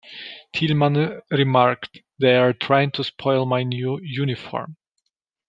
Tilghman remarked, They are trying to spoil my new uniform.